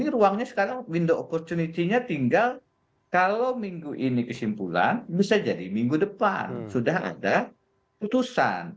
ruangnya sekarang tinggal kalau minggu ini kesimpulan bisa jadi minggu depan sudah ada putusan